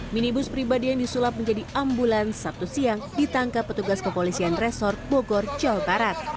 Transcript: minibus pribadi yang disulap menjadi ambulans sabtu siang ditangkap petugas kepolisian resort bogor jawa barat